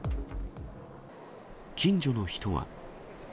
近所の人は。